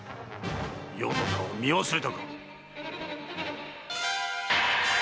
余の顔を見忘れたか。